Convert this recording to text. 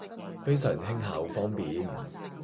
非常輕巧方便